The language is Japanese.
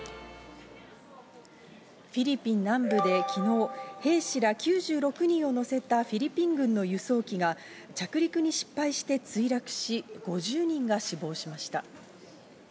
フィリピン南部で昨日、兵士ら９６人を乗せたフィリピン軍の輸送機が着陸に失敗して墜落し、５０人が死亡しました。